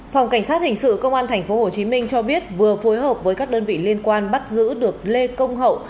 phòng cảnh sát hình sự công an tp hcm cho biết vừa phối hợp với các đơn vị liên quan bắt giữ được lê công hậu